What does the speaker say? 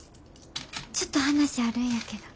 ちょっと話あるんやけど。